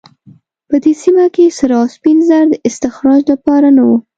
په دې سیمه کې سره او سپین زر د استخراج لپاره نه وو.